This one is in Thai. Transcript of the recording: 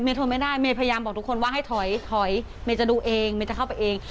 โทรไม่ได้เมย์พยายามบอกทุกคนว่าให้ถอยถอยเมย์จะดูเองเมย์จะเข้าไปเอง